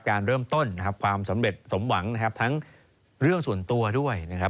การเริ่มต้นนะครับความสำเร็จสมหวังนะครับทั้งเรื่องส่วนตัวด้วยนะครับ